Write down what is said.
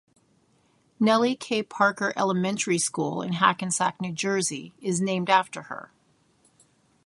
Nellie K. Parker Elementary School in Hackensack, New Jersey is named after her.